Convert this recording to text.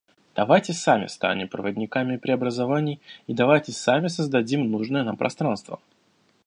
Давайте сами станем проводниками преобразований и давайте сами создадим нужное нам пространство.